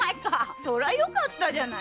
そりゃよかったじゃない。